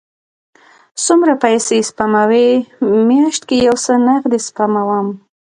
څومره پیسی سپموئ؟ میاشت کې یو څه نغدي سپموم